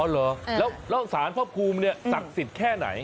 เหรอแล้วสารพระภูมิเนี่ยศักดิ์สิทธิ์แค่ไหน